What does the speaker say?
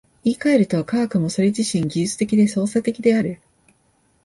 言い換えると、科学もそれ自身技術的で操作的である。